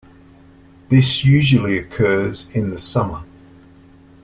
This usually occurs in the summer.